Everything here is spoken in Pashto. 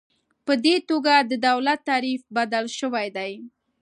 په دې توګه د دولت تعریف بدل شوی دی.